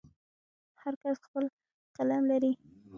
هر کس خپل قلم لري.